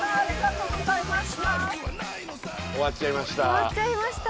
終わっちゃいました。